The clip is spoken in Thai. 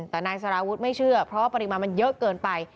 แต่นายสารวุฒิไม่เชื่อเพราะว่าปริมาณมันเยอะเกินไป